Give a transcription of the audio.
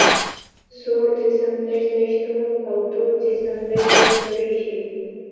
سوړ جسم لږ لږ تود او تود جسم لږ لږ سړیږي.